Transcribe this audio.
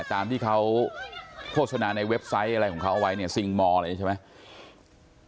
ตามที่เขาโฆษณาในเว็บไซต์อะไรของเขาเอาไว้เนี่ยซิงมอร์อะไรอย่างนี้ใช่ไหม